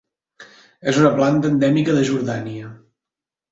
És una planta endèmica de Jordània.